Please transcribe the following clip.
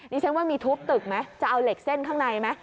นี่ฉันว่ามีทุบตึกไหมจะเอาเหล็กเส้นข้างในไหม